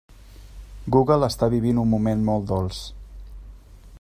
Google està vivint un moment molt dolç.